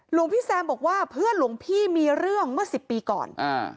หลวงพี่แซมบอกว่าเพื่อนหลวงพี่มีเรื่องเมื่อสิบปีก่อนอ่า